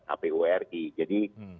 apu ri jadi